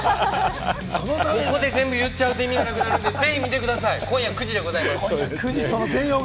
ここで全部言っちゃうと意味がなくなるので、ぜひ見てください、今夜９時です。